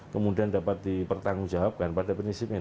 kemudian dapat dipertanggungjawabkan pada prinsipnya